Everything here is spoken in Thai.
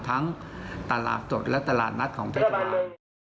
ตลาดสดและตลาดนัดของเทศบาล